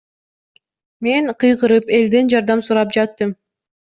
Мен кыйкырып, элден жардам сурап жаттым.